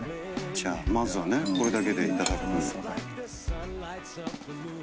じゃあまずはねこれだけでいただきます。